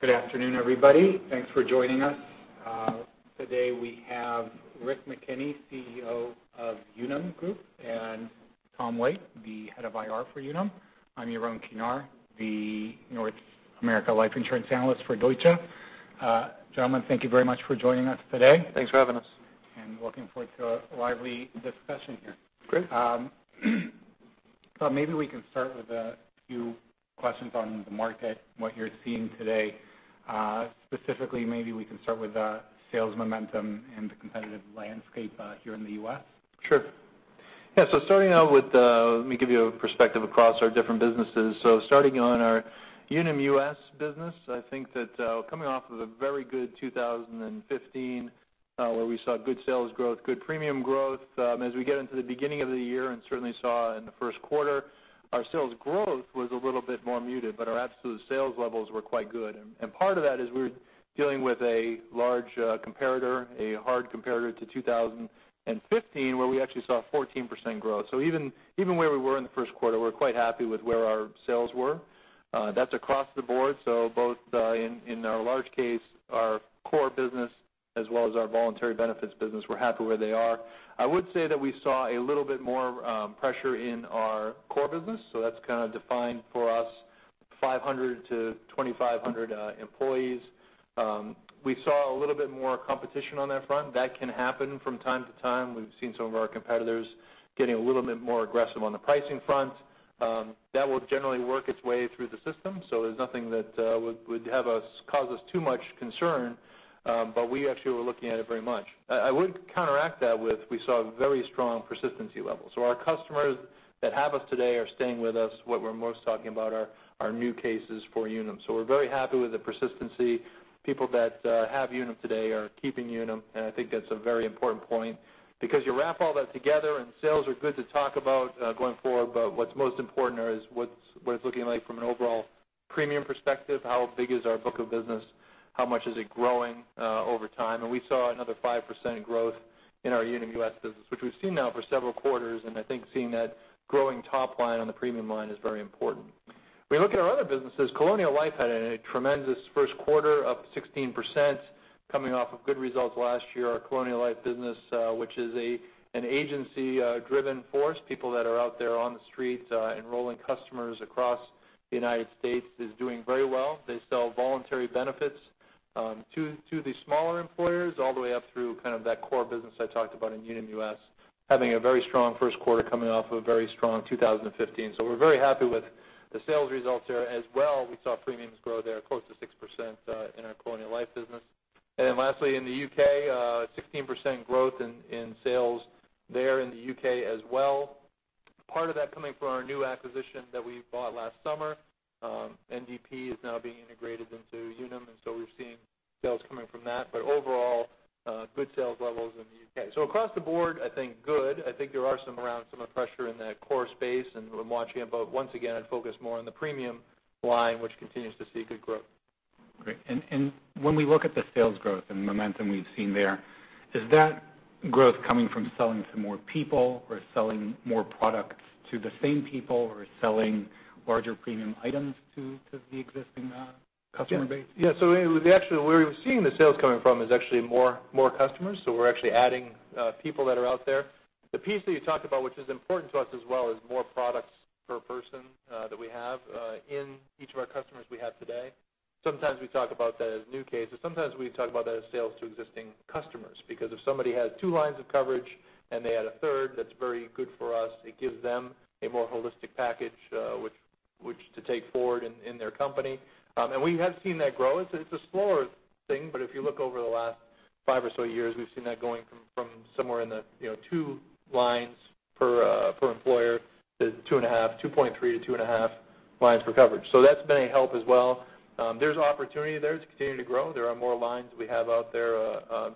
Good afternoon, everybody. Thanks for joining us. Today we have Rick McKinney, CEO of Unum Group, and Matt Royal, the head of IR for Unum. I'm Yaron Kinar, the North America life insurance analyst for Deutsche. Gentlemen, thank you very much for joining us today. Thanks for having us. Looking forward to a lively discussion here. Great. Matt, maybe we can start with a few questions on the market, what you're seeing today. Specifically, maybe we can start with the sales momentum and the competitive landscape here in the U.S. Sure. Yeah. Starting out with, let me give you a perspective across our different businesses. Starting on our Unum US business, I think that coming off of the very good 2015, where we saw good sales growth, good premium growth. As we get into the beginning of the year, certainly saw in the first quarter, our sales growth was a little bit more muted, our absolute sales levels were quite good. Part of that is we were dealing with a large comparator, a hard comparator to 2015, where we actually saw a 14% growth. Even where we were in the first quarter, we're quite happy with where our sales were. That's across the board, both in our large case, our core business, as well as our voluntary benefits business, we're happy where they are. I would say that we saw a little bit more pressure in our core business, that's kind of defined for us 500 to 2,500 employees. We saw a little bit more competition on that front. That can happen from time to time. We've seen some of our competitors getting a little bit more aggressive on the pricing front. That will generally work its way through the system, there's nothing that would cause us too much concern. We actually were looking at it very much. I would counteract that with, we saw very strong persistency levels. Our customers that have us today are staying with us. What we're most talking about are new cases for Unum. We're very happy with the persistency. People that have Unum today are keeping Unum, I think that's a very important point. You wrap all that together, sales are good to talk about going forward, what's most important there is what it's looking like from an overall premium perspective, how big is our book of business, how much is it growing over time. We saw another 5% growth in our Unum US business, which we've seen now for several quarters, I think seeing that growing top line on the premium line is very important. We look at our other businesses. Colonial Life had a tremendous first quarter, up 16%, coming off of good results last year. Our Colonial Life business, which is an agency-driven force, people that are out there on the street enrolling customers across the United States, is doing very well. They sell voluntary benefits to the smaller employers, all the way up through that core business I talked about in Unum US, having a very strong first quarter coming off of a very strong 2015. We're very happy with the sales results there as well. We saw premiums grow there close to 6% in our Colonial Life business. Lastly, in the U.K., 16% growth in sales there in the U.K. as well. Part of that coming from our new acquisition that we bought last summer. NDP is now being integrated into Unum, we're seeing sales coming from that. Overall, good sales levels in the U.K. Across the board, I think good. I think there are some around pressure in that core space, we're watching it. Once again, I'd focus more on the premium line, which continues to see good growth. When we look at the sales growth and the momentum we've seen there, is that growth coming from selling to more people, or selling more product to the same people, or selling larger premium items to the existing customer base? Yeah. Actually, where we're seeing the sales coming from is actually more customers, so we're actually adding people that are out there. The piece that you talked about, which is important to us as well, is more products per person, that we have in each of our customers we have today. Sometimes we talk about that as new cases. Sometimes we talk about that as sales to existing customers, because if somebody has 2 lines of coverage and they add a third, that's very good for us. It gives them a more holistic package, which to take forward in their company. We have seen that grow. It's a slower thing, but if you look over the last five or so years, we've seen that going from somewhere in the 2 lines per employer to 2.5, 2.3 to 2.5 lines per coverage. That's been a help as well. There's opportunity there to continue to grow. There are more lines we have out there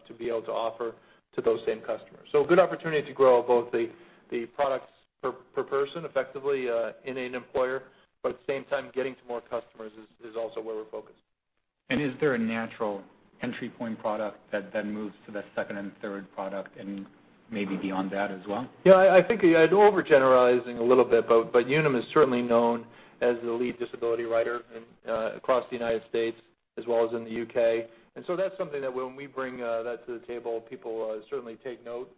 to be able to offer to those same customers. A good opportunity to grow both the products per person effectively in an employer, but at the same time, getting to more customers is also where we're focused. Is there a natural entry point product that then moves to the second and third product and maybe beyond that as well? I think overgeneralizing a little bit, Unum is certainly known as the lead disability writer across the U.S. as well as in the U.K. That's something that when we bring that to the table, people certainly take note.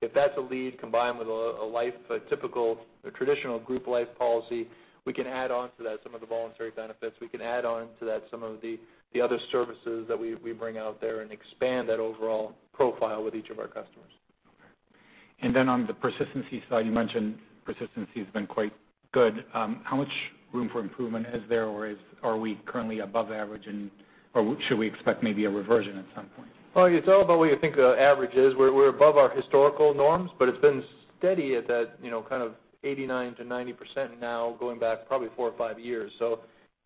If that's a lead combined with a life, a typical or traditional group life policy, we can add on to that some of the voluntary benefits. We can add on to that some of the other services that we bring out there and expand that overall profile with each of our customers. On the persistency side, you mentioned persistency has been quite good. How much room for improvement is there, or are we currently above average, or should we expect maybe a reversion at some point? It's all about what you think the average is. We're above our historical norms, but it's been steady at that kind of 89%-90% now, going back probably four or five years.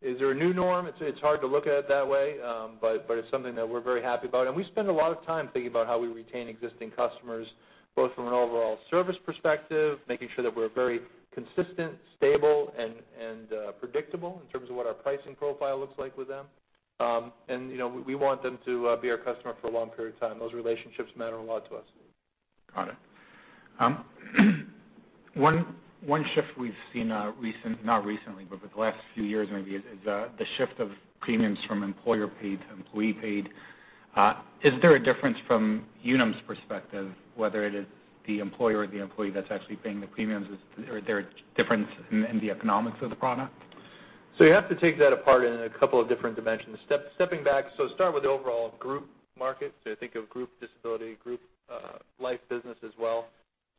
Is there a new norm? It's hard to look at it that way. It's something that we're very happy about. We spend a lot of time thinking about how we retain existing customers, both from an overall service perspective, making sure that we're very consistent, stable, and predictable in terms of what our pricing profile looks like with them. We want them to be our customer for a long period of time. Those relationships matter a lot to us. Got it. Matt? One shift we've seen not recently, but for the last few years maybe, is the shift of premiums from employer-paid to employee-paid. Is there a difference from Unum's perspective, whether it is the employer or the employee that's actually paying the premiums? Is there a difference in the economics of the product? You have to take that apart in a couple of different dimensions. Stepping back, start with the overall group market. Think of group disability, group life business as well.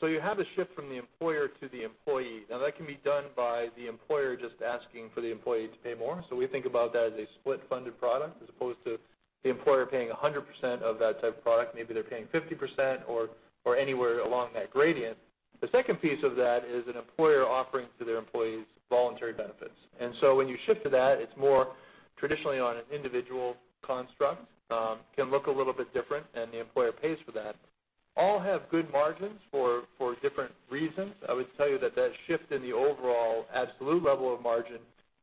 You have a shift from the employer to the employee. Now, that can be done by the employer just asking for the employee to pay more. We think about that as a split funded product, as opposed to the employer paying 100% of that type of product. Maybe they're paying 50% or anywhere along that gradient. The second piece of that is an employer offering to their employees voluntary benefits. When you shift to that, it's more traditionally on an individual construct. Can look a little bit different, and the employer pays for that. All have good margins for different reasons. I would tell you that that shift in the overall absolute level of margin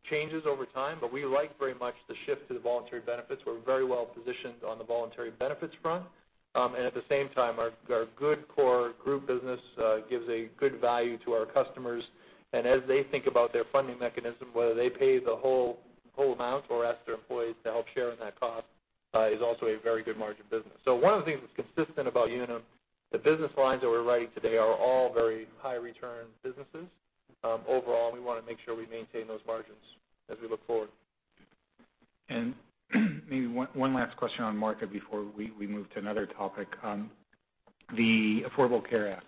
changes over time, we like very much the shift to the voluntary benefits, we're very well positioned on the voluntary benefits front. At the same time, our good core group business gives a good value to our customers. As they think about their funding mechanism, whether they pay the whole amount or ask their employees to help share in that cost, is also a very good margin business. One of the things that's consistent about Unum, the business lines that we're writing today are all very high return businesses. Overall, we want to make sure we maintain those margins as we look forward. Maybe one last question on market before we move to another topic. The Affordable Care Act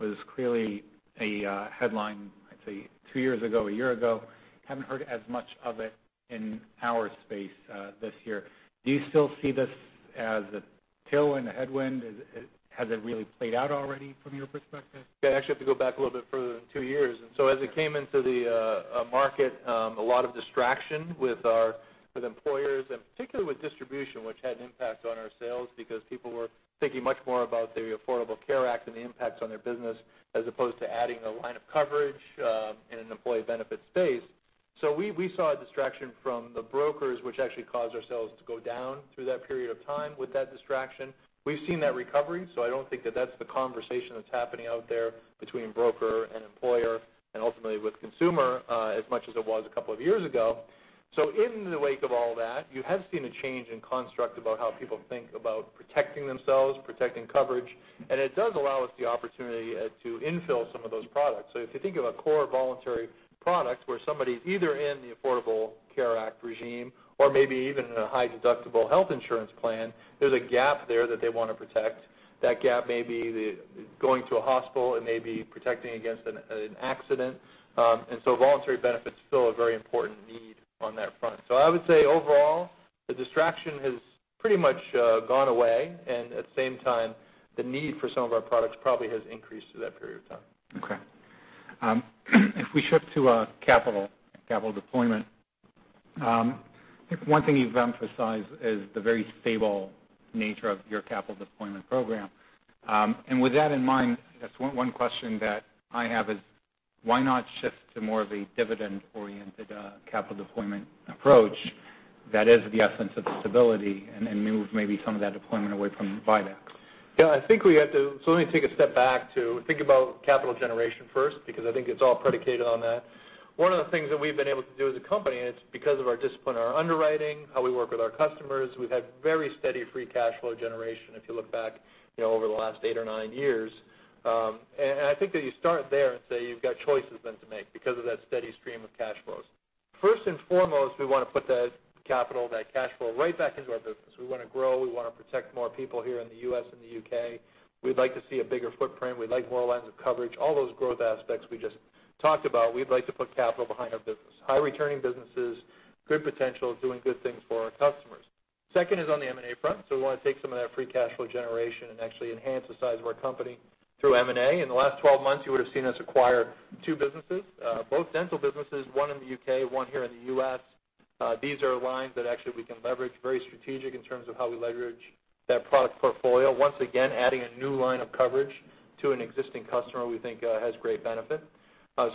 was clearly a headline, I'd say two years ago, a year ago. Haven't heard as much of it in our space this year. Do you still see this as a tailwind, a headwind? Has it really played out already from your perspective? Actually have to go back a little bit further than two years. As it came into the market, a lot of distraction with employers and particularly with distribution, which had an impact on our sales because people were thinking much more about the Affordable Care Act and the impacts on their business as opposed to adding a line of coverage in an employee benefit space. We saw a distraction from the brokers, which actually caused our sales to go down through that period of time with that distraction. We've seen that recovery, I don't think that that's the conversation that's happening out there between broker and employer and ultimately with consumer, as much as it was a couple of years ago. In the wake of all that, you have seen a change in construct about how people think about protecting themselves, protecting coverage, and it does allow us the opportunity to infill some of those products. If you think of a core voluntary product where somebody's either in the Affordable Care Act regime or maybe even in a high deductible health insurance plan, there's a gap there that they want to protect. That gap may be going to a hospital, it may be protecting against an accident. Voluntary benefits fill a very important need on that front. I would say overall, the distraction has pretty much gone away. At the same time, the need for some of our products probably has increased through that period of time. Okay. If we shift to capital deployment, I think one thing you've emphasized is the very stable nature of your capital deployment program. With that in mind, I guess one question that I have is why not shift to more of a dividend-oriented capital deployment approach that is the essence of stability and move maybe some of that deployment away from buybacks? Let me take a step back to think about capital generation first, because I think it's all predicated on that. One of the things that we've been able to do as a company, and it's because of our discipline, our underwriting, how we work with our customers, we've had very steady free cash flow generation, if you look back over the last eight or nine years. I think that you start there and say you've got choices then to make because of that steady stream of cash flows. First and foremost, we want to put that capital, that cash flow, right back into our business. We want to grow, we want to protect more people here in the U.S. and the U.K. We'd like to see a bigger footprint. We'd like more lines of coverage. All those growth aspects we just talked about, we'd like to put capital behind our business. High returning businesses, good potential of doing good things for our customers. Second is on the M&A front. We want to take some of that free cash flow generation and actually enhance the size of our company through M&A. In the last 12 months, you would have seen us acquire two businesses, both dental businesses, one in the U.K., one here in the U.S. These are lines that actually we can leverage, very strategic in terms of how we leverage that product portfolio. Once again, adding a new line of coverage to an existing customer we think has great benefit.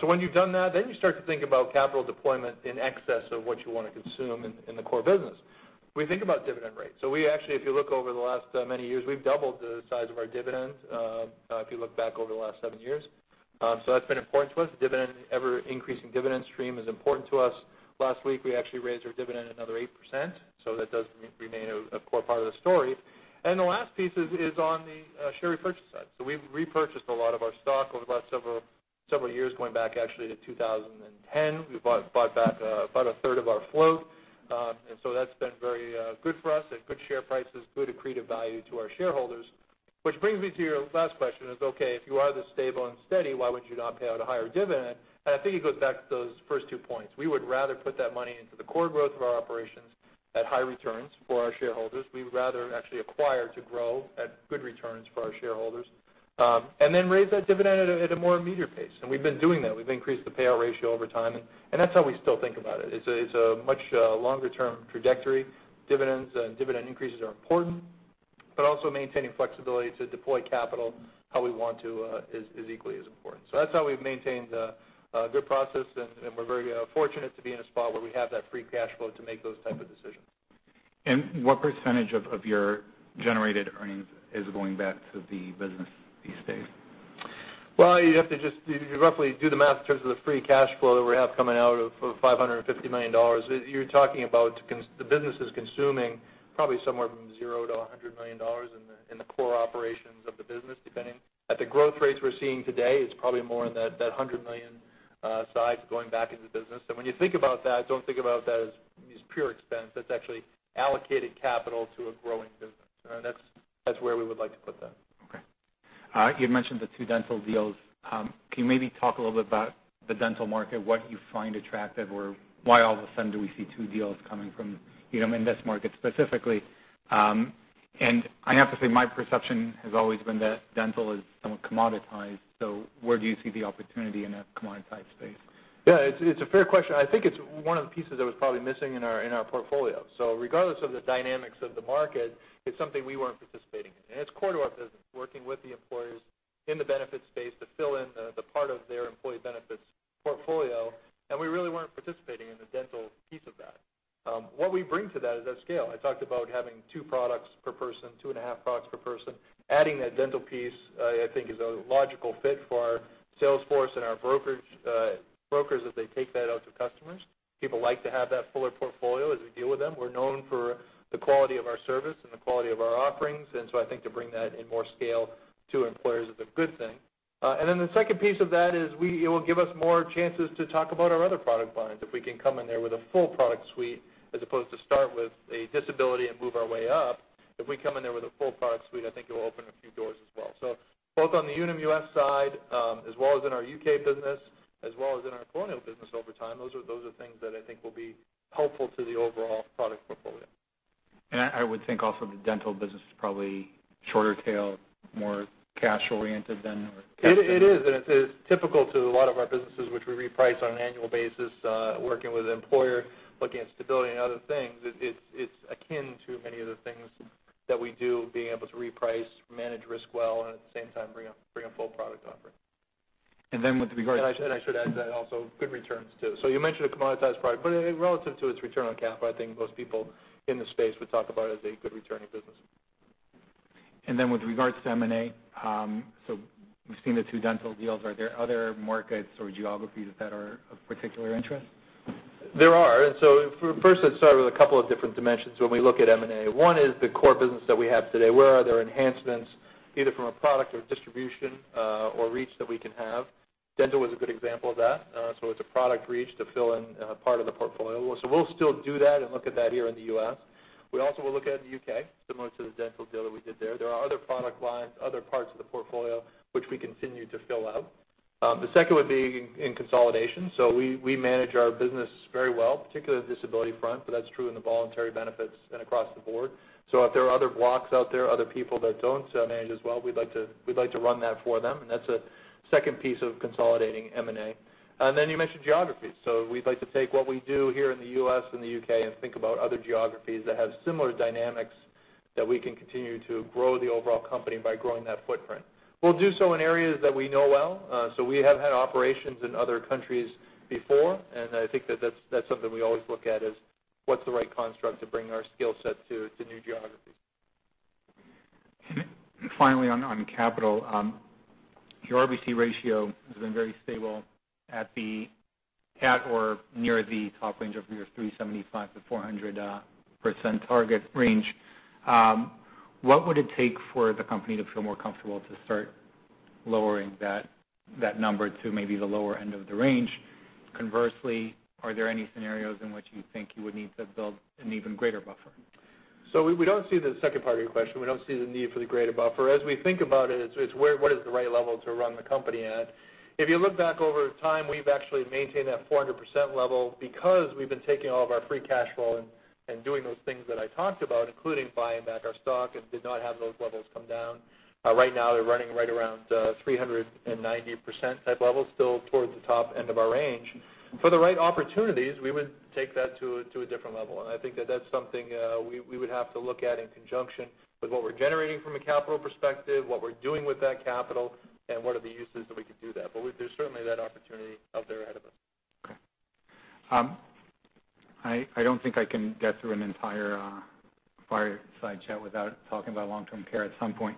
When you've done that, you start to think about capital deployment in excess of what you want to consume in the core business. We think about dividend rates. We actually, if you look over the last many years, we've doubled the size of our dividend, if you look back over the last seven years. That's been important to us. Ever-increasing dividend stream is important to us. Last week, we actually raised our dividend another 8%, that does remain a core part of the story. The last piece is on the share repurchase side. We've repurchased a lot of our stock over the last several years, going back actually to 2010. We bought back about a third of our float. That's been very good for us, and good share price is good accretive value to our shareholders. Which brings me to your last question is, okay, if you are this stable and steady, why would you not pay out a higher dividend? I think it goes back to those first two points. We would rather put that money into the core growth of our operations at high returns for our shareholders. We would rather actually acquire to grow at good returns for our shareholders. Then raise that dividend at a more immediate pace. We've been doing that. We've increased the payout ratio over time, and that's how we still think about it. It's a much longer-term trajectory. Dividends and dividend increases are important, but also maintaining flexibility to deploy capital how we want to is equally as important. That's how we've maintained a good process, and we're very fortunate to be in a spot where we have that free cash flow to make those type of decisions. What % of your generated earnings is going back to the business these days? Well, you have to just roughly do the math in terms of the free cash flow that we have coming out of $550 million. You're talking about the business is consuming probably somewhere from $0-$100 million in the core operations of the business, depending. At the growth rates we're seeing today, it's probably more in that $100 million side going back into the business. When you think about that, don't think about that as pure expense. That's actually allocated capital to a growing business. That's where we would like to put that. Okay. You had mentioned the two dental deals. Can you maybe talk a little bit about the dental market, what you find attractive, or why all of a sudden do we see two deals coming from Unum in this market specifically? I have to say, my perception has always been that dental is somewhat commoditized. Where do you see the opportunity in a commoditized space? Yeah. It's a fair question. I think it's one of the pieces that was probably missing in our portfolio. Regardless of the dynamics of the market, it's something we weren't participating in. It's core to our business, working with the employers in the benefits space to fill in the part of their employee benefits portfolio, and we really weren't participating in the dental piece of that. What we bring to that is that scale. I talked about having two products per person, two and a half products per person. Adding that dental piece, I think, is a logical fit for our sales force and our brokers as they take that out to customers. People like to have that fuller portfolio as we deal with them. We're known for the quality of our service and the quality of our offerings, I think to bring that in more scale to employers is a good thing. The second piece of that is it will give us more chances to talk about our other product lines. If we can come in there with a full product suite, as opposed to start with a disability and move our way up. If we come in there with a full product suite, I think it will open a few doors as well. Both on the Unum US side, as well as in our U.K. business, as well as in our Colonial business over time, those are things that I think will be helpful to the overall product portfolio. I would think also the dental business is probably shorter tail, more cash oriented than- It is typical to a lot of our businesses, which we reprice on an annual basis, working with the employer, looking at stability and other things. It's akin to many of the things that we do, being able to reprice, manage risk well, and at the same time, bring a full product offering. With regard to- I should add to that also, good returns, too. You mentioned a commoditized product, relative to its return on capital, I think most people in the space would talk about it as a good returning business. With regards to M&A, we've seen the two dental deals. Are there other markets or geographies that are of particular interest? There are. First, let's start with a couple of different dimensions when we look at M&A. One is the core business that we have today. Where are there enhancements, either from a product or distribution, or reach that we can have? Dental was a good example of that. It's a product reach to fill in part of the portfolio. We'll still do that and look at that here in the U.S. We also will look at the U.K., similar to the dental deal that we did there. There are other product lines, other parts of the portfolio, which we continue to fill out. The second would be in consolidation. We manage our business very well, particularly the disability front, but that's true in the voluntary benefits and across the board. If there are other blocks out there, other people that don't manage as well, we'd like to run that for them, and that's a second piece of consolidating M&A. You mentioned geographies. We'd like to take what we do here in the U.S. and the U.K. and think about other geographies that have similar dynamics that we can continue to grow the overall company by growing that footprint. We'll do so in areas that we know well. We have had operations in other countries before, and I think that that's something we always look at, is what's the right construct to bring our skill set to new geographies? Finally, on capital. Your RBC ratio has been very stable at or near the top range of your 375%-400% target range. What would it take for the company to feel more comfortable to start lowering that number to maybe the lower end of the range? Conversely, are there any scenarios in which you think you would need to build an even greater buffer? We don't see the second part of your question. We don't see the need for the greater buffer. As we think about it's where is the right level to run the company at. If you look back over time, we've actually maintained that 400% level because we've been taking all of our free cash flow and doing those things that I talked about, including buying back our stock and did not have those levels come down. Right now, they're running right around 390% type level, still towards the top end of our range. For the right opportunities, we would take that to a different level. I think that that's something we would have to look at in conjunction with what we're generating from a capital perspective, what we're doing with that capital, and what are the uses that we could do that. There's certainly that opportunity out there ahead of us. Okay. I don't think I can get through an entire fireside chat without talking about long-term care at some point.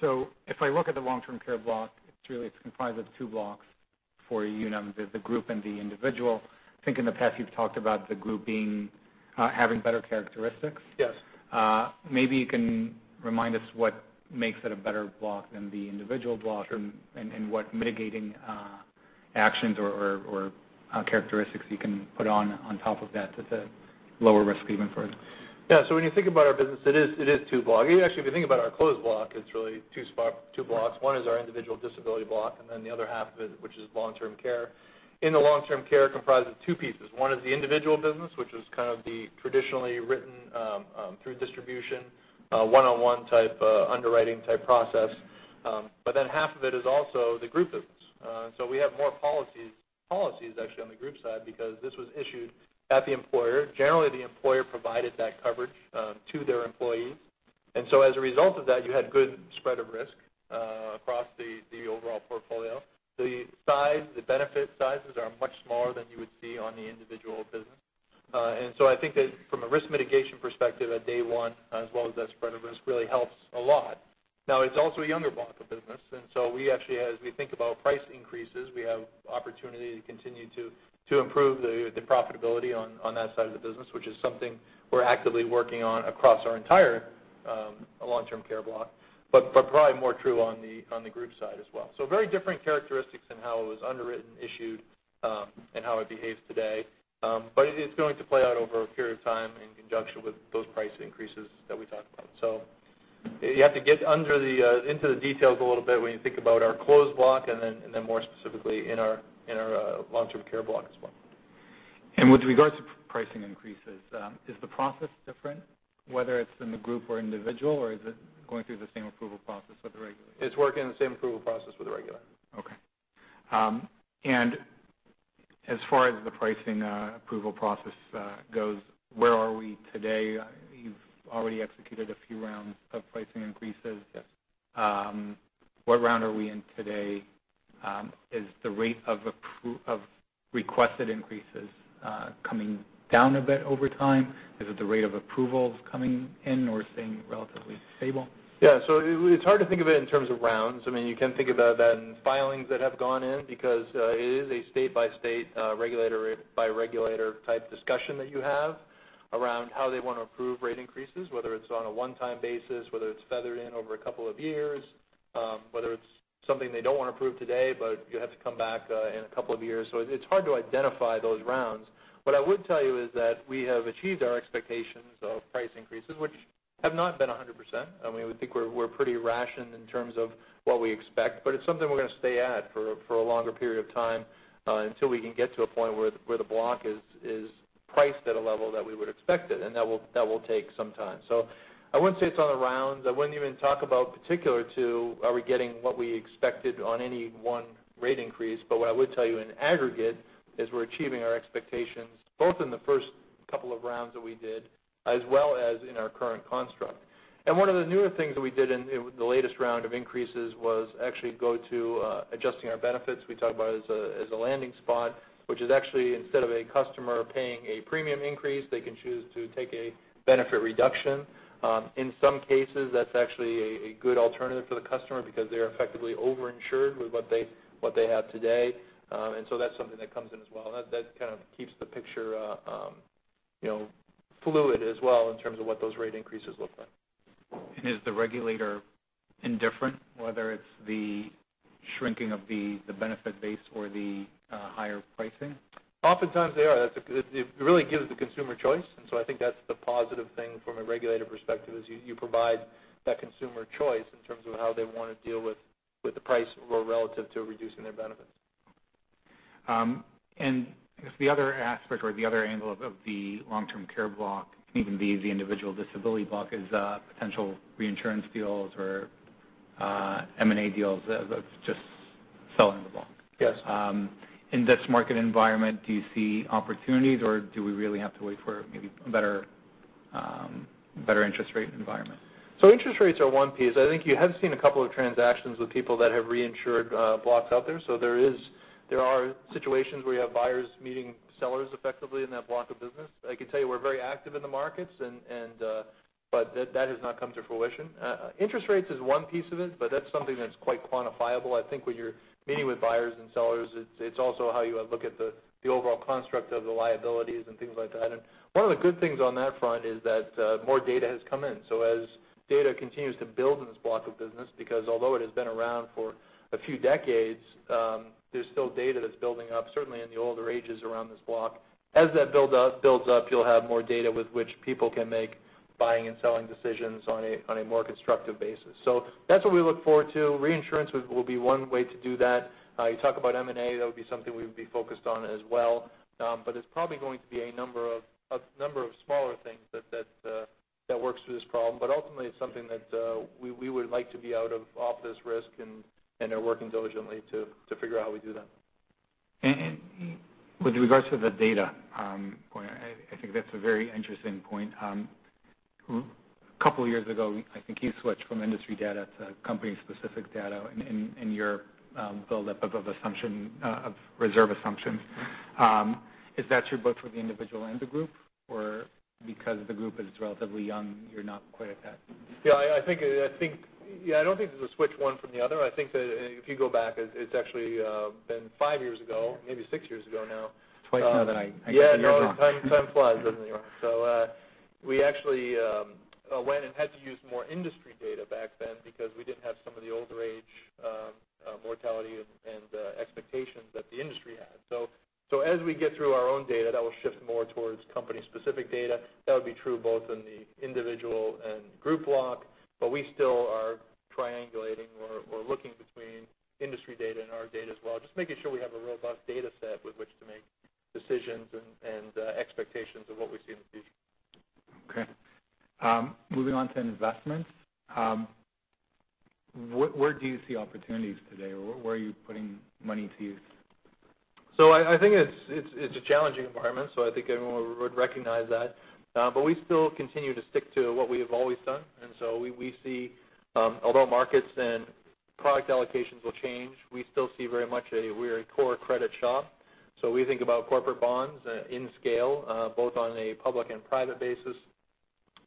Sure. If I look at the long-term care block, it's comprised of two blocks for Unum, the group and the individual. I think in the past you've talked about the group having better characteristics. Yes. Maybe you can remind us what makes it a better block than the individual block? Sure What mitigating actions or characteristics you can put on top of that to lower risk even further. Yeah. When you think about our business, it is two blocks. Actually, if you think about our closed block, it's really two blocks. One is our individual disability block, the other half of it, which is long-term care. In the long-term care, comprised of two pieces. One is the individual business, which was kind of the traditionally written through distribution, one-on-one type underwriting process. Half of it is also the group business. We have more policies, actually, on the group side because this was issued at the employer. Generally, the employer provided that coverage to their employees. As a result of that, you had good spread of risk overall portfolio. The benefit sizes are much smaller than you would see on the individual business. I think that from a risk mitigation perspective at day one, as well as that spread of risk really helps a lot. It's also a younger block of business, as we think about price increases, we have opportunity to continue to improve the profitability on that side of the business, which is something we're actively working on across our entire long-term care block, but probably more true on the group side as well. Very different characteristics in how it was underwritten, issued, and how it behaves today. It's going to play out over a period of time in conjunction with those price increases that we talked about. You have to get into the details a little bit when you think about our closed block and then more specifically in our long-term care block as well. With regards to pricing increases, is the process different whether it's in the group or individual, or is it going through the same approval process with the regular? It's working in the same approval process with the regular. Okay. As far as the pricing approval process goes, where are we today? You've already executed a few rounds of pricing increases. Yes. What round are we in today? Is the rate of requested increases coming down a bit over time? Is it the rate of approvals coming in or staying relatively stable? Yeah. It's hard to think of it in terms of rounds. You can think about that in filings that have gone in because it is a state-by-state, regulator-by-regulator type discussion that you have around how they want to approve rate increases, whether it's on a one-time basis, whether it's feathered in over a couple of years, whether it's something they don't want to approve today, but you have to come back in a couple of years. It's hard to identify those rounds. What I would tell you is that we have achieved our expectations of price increases, which have not been 100%. We think we're pretty rationed in terms of what we expect, but it's something we're going to stay at for a longer period of time until we can get to a point where the block is priced at a level that we would expect it, and that will take some time. I wouldn't say it's on the rounds. I wouldn't even talk about particular to are we getting what we expected on any one rate increase. What I would tell you in aggregate is we're achieving our expectations, both in the first couple of rounds that we did, as well as in our current construct. One of the newer things that we did in the latest round of increases was actually go to adjusting our benefits. We talk about it as a landing spot, which is actually instead of a customer paying a premium increase, they can choose to take a benefit reduction. In some cases, that's actually a good alternative for the customer because they are effectively over-insured with what they have today. That's something that comes in as well. That kind of keeps the picture fluid as well in terms of what those rate increases look like. Is the regulator indifferent, whether it's the shrinking of the benefit base or the higher pricing? Oftentimes they are. It really gives the consumer choice. I think that's the positive thing from a regulator perspective, is you provide that consumer choice in terms of how they want to deal with the price or relative to reducing their benefits. I guess the other aspect or the other angle of the long-term care block, it can even be the individual disability block, is potential reinsurance deals or M&A deals of just selling the block. Yes. In this market environment, do you see opportunities or do we really have to wait for maybe a better interest rate environment? Interest rates are one piece. I think you have seen a couple of transactions with people that have reinsured blocks out there. There are situations where you have buyers meeting sellers effectively in that block of business. I can tell you we're very active in the markets, but that has not come to fruition. Interest rates is one piece of it, but that's something that's quite quantifiable. I think when you're meeting with buyers and sellers, it's also how you look at the overall construct of the liabilities and things like that. One of the good things on that front is that more data has come in. As data continues to build in this block of business, because although it has been around for a few decades, there's still data that's building up, certainly in the older ages around this block. As that builds up, you'll have more data with which people can make buying and selling decisions on a more constructive basis. That's what we look forward to. Reinsurance will be one way to do that. You talk about M&A, that would be something we would be focused on as well. It's probably going to be a number of smaller things that works through this problem. Ultimately, it's something that we would like to be out of this risk, and are working diligently to figure out how we do that. With regards to the data point, I think that's a very interesting point. A couple of years ago, I think you switched from industry data to company-specific data in your buildup of reserve assumptions. Is that true both for the individual and the group, or because the group is relatively young, you're not quite at that? Yeah, I don't think there's a switch one from the other. I think that if you go back, it's actually been five years ago, maybe six years ago now. 20. I got the years wrong. Yeah, time flies, doesn't it? We actually went and had to use more industry data back then because we didn't have some of the older age mortality and expectations that the industry had. As we get through our own data, that will shift more towards company-specific data. That would be true both in the individual and group block, but we still are triangulating. We're looking between industry data and our data as well, just making sure we have a robust data set with which to make decisions and expectations of what we see in the future. Okay. Moving on to investments. Where do you see opportunities today? Where are you putting money to use? I think it's a challenging environment, so I think everyone would recognize that. We still continue to stick to what we have always done. Although markets and product allocations will change, we still see very much we're a core credit shop. We think about corporate bonds in scale both on a public and private basis.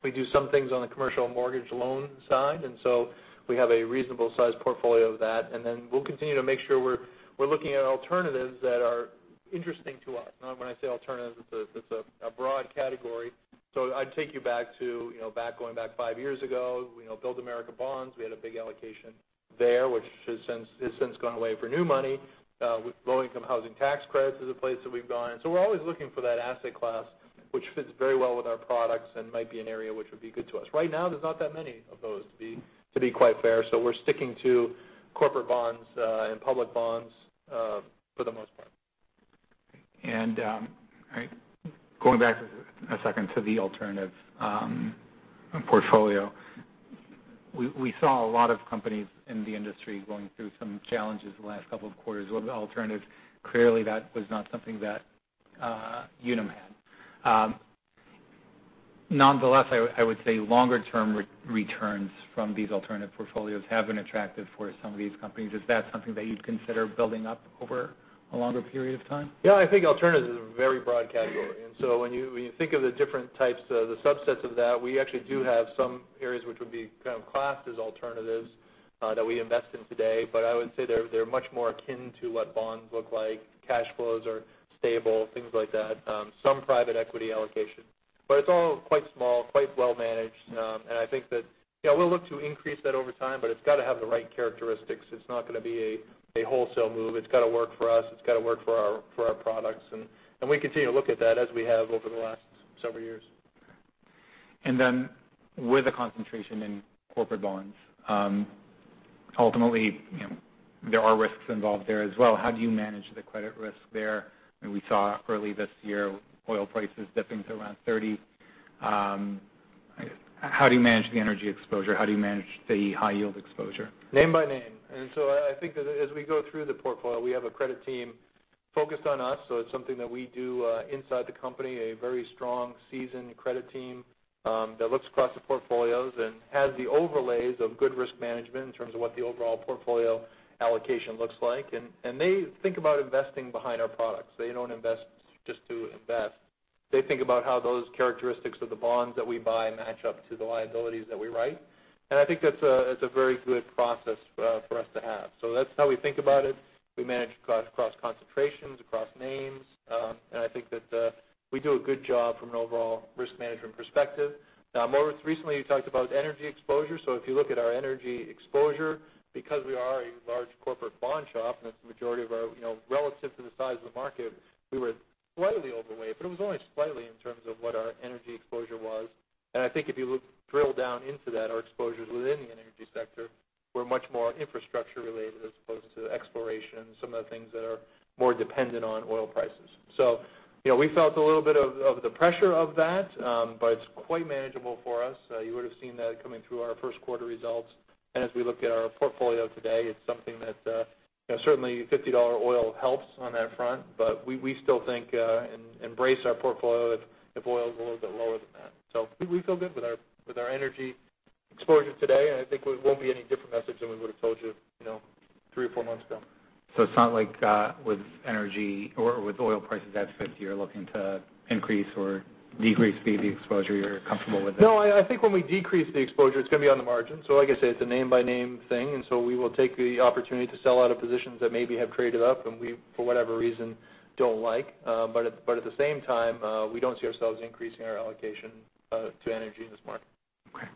We do some things on the commercial mortgage loan side, and so we have a reasonable size portfolio of that. We'll continue to make sure we're looking at alternatives that are interesting to us. When I say alternatives, it's a broad category. I'd take you back to going back five years ago, Build America Bonds, we had a big allocation there, which has since gone away for new money. Low-Income Housing Tax Credits is a place that we've gone. We're always looking for that asset class which fits very well with our products and might be an area which would be good to us. Right now, there's not that many of those, to be quite fair. We're sticking to corporate bonds and public bonds for the most part. Going back a second to the alternative portfolio. We saw a lot of companies in the industry going through some challenges the last couple of quarters with alternatives. Clearly, that was not something that Unum had. Nonetheless, I would say longer-term returns from these alternative portfolios have been attractive for some of these companies. Is that something that you'd consider building up over a longer period of time? Yeah, I think alternatives is a very broad category. When you think of the different types, the subsets of that, we actually do have some areas which would be classed as alternatives that we invest in today. I would say they're much more akin to what bonds look like. Cash flows are stable, things like that. Some private equity allocation. It's all quite small, quite well-managed. I think that we'll look to increase that over time, but it's got to have the right characteristics. It's not going to be a wholesale move. It's got to work for us. It's got to work for our products. We continue to look at that as we have over the last several years. With the concentration in corporate bonds. Ultimately, there are risks involved there as well. How do you manage the credit risk there? We saw early this year oil prices dipping to around 30. How do you manage the energy exposure? How do you manage the high yield exposure? Name by name. I think that as we go through the portfolio, we have a credit team focused on us, so it's something that we do inside the company. A very strong, seasoned credit team that looks across the portfolios and has the overlays of good risk management in terms of what the overall portfolio allocation looks like. They think about investing behind our products. They don't invest just to invest. They think about how those characteristics of the bonds that we buy match up to the liabilities that we write. I think that's a very good process for us to have. That's how we think about it. We manage across concentrations, across names. I think that we do a good job from an overall risk management perspective. Now, more recently, you talked about energy exposure. If you look at our energy exposure, because we are a large corporate bond shop and that's the majority, relative to the size of the market, we were slightly overweight. It was only slightly in terms of what our energy exposure was. I think if you drill down into that, our exposures within the energy sector were much more infrastructure-related as opposed to exploration and some of the things that are more dependent on oil prices. We felt a little bit of the pressure of that. It's quite manageable for us. You would have seen that coming through our first quarter results. As we look at our portfolio today, it's something that certainly $50 oil helps on that front. We still think and embrace our portfolio that if oil is a little bit lower than that. We feel good with our energy exposure today, and I think it won't be any different message than we would've told you three or four months ago. It's not like with energy or with oil prices at 50, you're looking to increase or decrease the exposure. You're comfortable with it? No, I think when we decrease the exposure, it's going to be on the margin. Like I say, it's a name-by-name thing, and we will take the opportunity to sell out of positions that maybe have traded up, and we, for whatever reason, don't like. At the same time, we don't see ourselves increasing our allocation to energy in this market. Okay.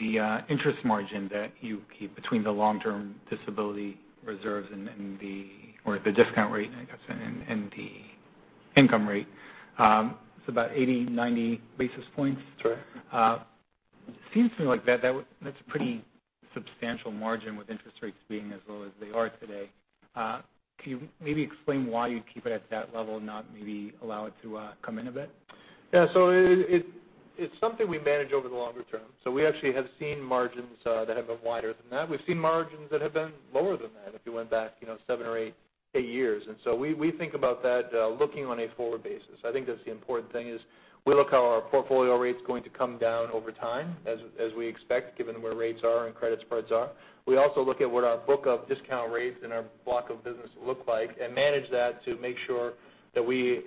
The interest margin that you keep between the long-term disability reserves or the discount rate, I guess, and the income rate. It's about 80, 90 basis points. That's right. It seems to me like that's a pretty substantial margin with interest rates being as low as they are today. Can you maybe explain why you keep it at that level and not maybe allow it to come in a bit? Yeah. It's something we manage over the longer term. We actually have seen margins that have been wider than that. We've seen margins that have been lower than that if you went back seven or eight years. We think about that looking on a forward basis. I think that's the important thing is we look how our portfolio rate's going to come down over time as we expect, given where rates are and credit spreads are. We also look at what our book of discount rates and our block of business look like and manage that to make sure that we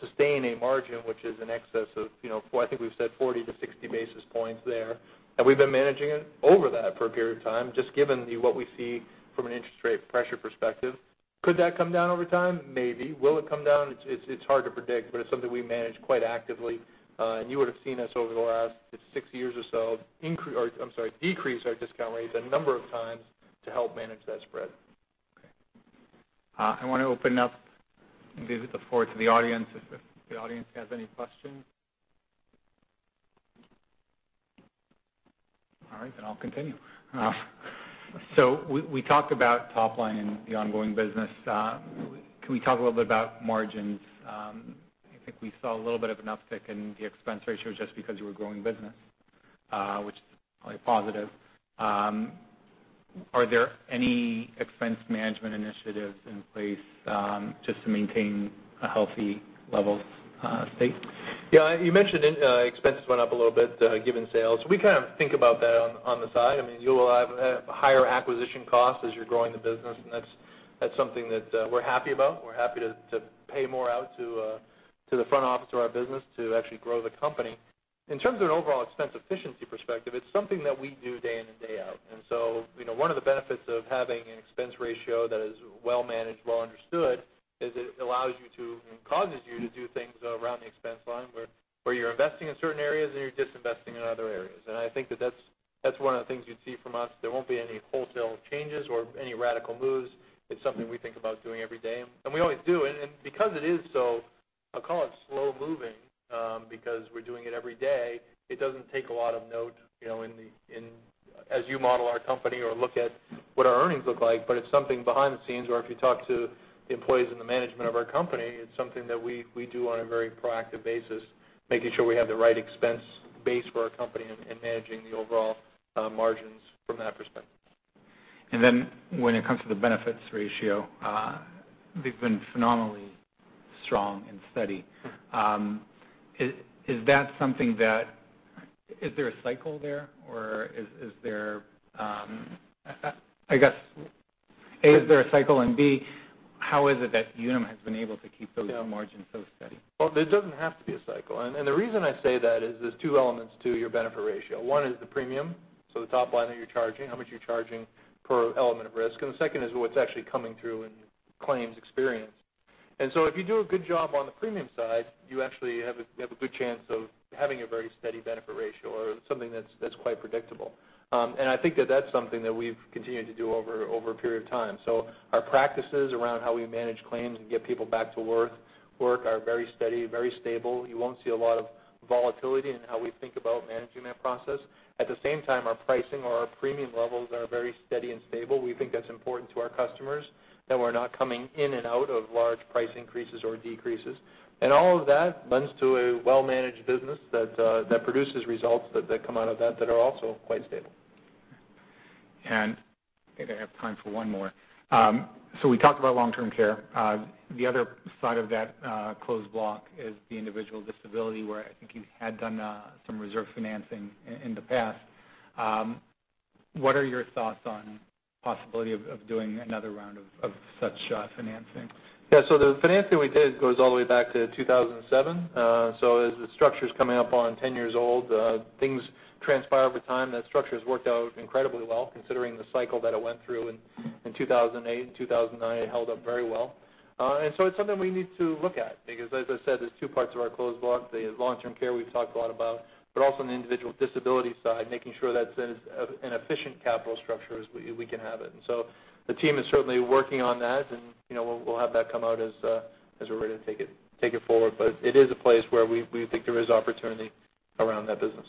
sustain a margin which is in excess of, I think we've said 40-60 basis points there. We've been managing it over that for a period of time, just given what we see from an interest rate pressure perspective. Could that come down over time? Maybe. Will it come down? It's hard to predict, but it's something we manage quite actively. You would have seen us over the last six years or so decrease our discount rates a number of times to help manage that spread. Okay. I want to open up and give the floor to the audience if the audience has any questions. All right. I'll continue. We talked about top line and the ongoing business. Can we talk a little bit about margins? I think we saw a little bit of an uptick in the expense ratio just because you were growing business, which is probably positive. Are there any expense management initiatives in place, just to maintain a healthy level state? Yeah, you mentioned expenses went up a little bit, given sales. We kind of think about that on the side. You will have higher acquisition costs as you're growing the business, and that's something that we're happy about. We're happy to pay more out to the front office of our business to actually grow the company. In terms of an overall expense efficiency perspective, it's something that we do day in and day out. One of the benefits of having an expense ratio that is well managed, well understood, is it allows you to, and causes you to do things around the expense line where you're investing in certain areas and you're disinvesting in other areas. I think that that's one of the things you'd see from us. There won't be any wholesale changes or any radical moves. It's something we think about doing every day. We always do. Because it is so, I'll call it slow moving, because we're doing it every day, it doesn't take a lot of note as you model our company or look at what our earnings look like, but it's something behind the scenes or if you talk to the employees and the management of our company, it's something that we do on a very proactive basis, making sure we have the right expense base for our company and managing the overall margins from that perspective. When it comes to the benefits ratio, they've been phenomenally strong and steady. Is there a cycle there or is there I guess, A, is there a cycle? B, how is it that Unum has been able to keep those margins so steady? Well, there doesn't have to be a cycle. The reason I say that is there's two elements to your benefit ratio. One is the premium, so the top line that you're charging, how much you're charging per element of risk, and the second is what's actually coming through in claims experience. If you do a good job on the premium side, you actually have a good chance of having a very steady benefit ratio or something that's quite predictable. I think that that's something that we've continued to do over a period of time. Our practices around how we manage claims and get people back to work are very steady, very stable. You won't see a lot of volatility in how we think about managing that process. At the same time, our pricing or our premium levels are very steady and stable. We think that's important to our customers, that we're not coming in and out of large price increases or decreases. All of that lends to a well-managed business that produces results that come out of that are also quite stable. I think I have time for one more. We talked about long-term care. The other side of that closed block is the individual disability where I think you had done some reserve financing in the past. What are your thoughts on the possibility of doing another round of such financing? Yeah. The financing we did goes all the way back to 2007. As the structure's coming up on 10 years old, things transpire over time. That structure's worked out incredibly well, considering the cycle that it went through in 2008 and 2009. It held up very well. It's something we need to look at because, as I said, there's two parts of our closed block, the long-term care we've talked a lot about, but also on the individual disability side, making sure that's in an efficient capital structure as we can have it. The team is certainly working on that, and we'll have that come out as we're ready to take it forward. It is a place where we think there is opportunity around that business.